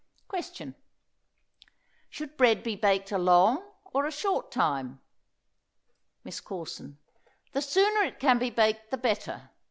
Question. Should bread be baked a long or a short time? MISS CORSON. The sooner it can be baked the better.